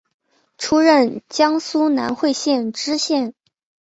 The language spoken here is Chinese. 出任江苏南汇县知县。